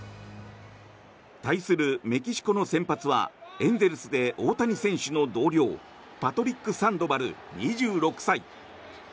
対するメキシコの先発はエンゼルスで大谷選手の同僚パトリック・サンドバル２６歳。